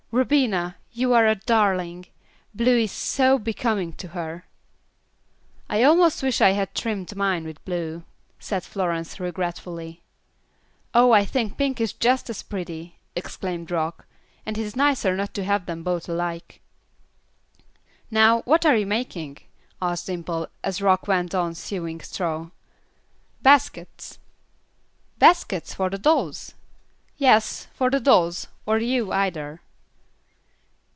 "Rubina, you are a darling! blue is so becoming to her." "I almost wish I had trimmed mine with blue," said Florence, regretfully. "Oh, I think pink is just as pretty," exclaimed Rock, "and it is nicer not to have them both alike." "Now what are you making?" asked Dimple, as Rock went on sewing straw. "Baskets." "Baskets, for the dolls?" "Yes, for the dolls, or you either."